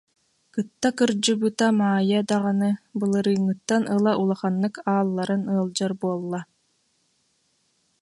Кытта кырдьыбыта Маайа даҕаны былырыыҥҥыттан ыла улаханнык аалларан ыалдьар буолла